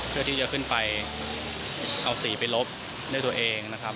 เพื่อที่จะขึ้นไปเอาสีไปลบด้วยตัวเองนะครับ